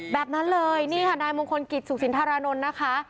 แบบนั้นเลยนี่ค่ะนายมงคลกิจสุขสินธารานนท์นะคะ